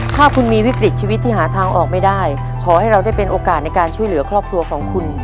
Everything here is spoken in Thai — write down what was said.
ถ้าคุณมีวิกฤตชีวิตที่หาทางออกไม่ได้ขอให้เราได้เป็นโอกาสในการช่วยเหลือครอบครัวของคุณ